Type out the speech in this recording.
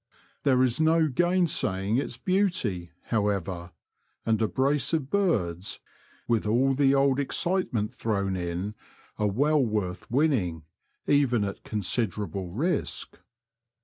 There is no gainsaying its beauty, how ever, and a brace of birds, with all the old excitement thrown in, are well worth winning, even at considerable risk.